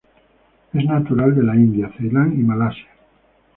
Es natural de la India, Ceilán y Malasia.